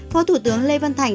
phó thủ tướng lê văn thành